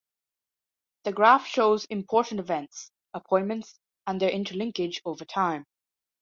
The graph shows important events, appointments, and their interlinkage over time.